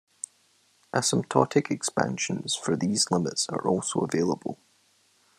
Asymptotic expansions for these limits are also available.